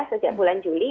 sejak bulan juli